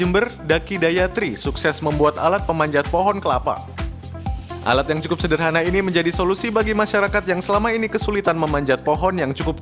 bagaimana cara kerjanya